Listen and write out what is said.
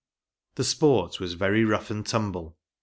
The sport was very rough and tumble.